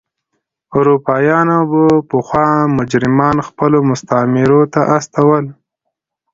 اروپایانو به پخوا مجرمان خپلو مستعمرو ته استول.